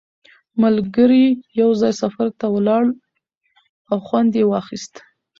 ملګري یو ځای سفر ته ولاړل او خوند یې واخیست